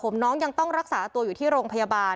ก็เลยต้องรีบไปแจ้งให้ตรวจสอบคือตอนนี้ครอบครัวรู้สึกไม่ไกล